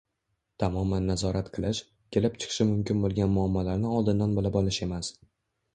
Tamoman nazorat qilish, kelib chiqishi mumkin bo‘lgan muammolarni oldindan bilib olish emas.